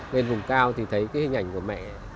lên vùng cao thì thấy cái hình ảnh của mẹ